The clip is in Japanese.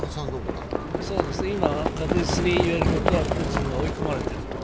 今、確実に言われることはプーチンが追い込まれていると。